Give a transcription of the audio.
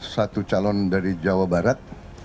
satu calon dari jawa barat